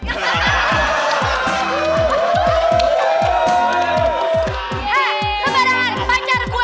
hah sebadan pacar gue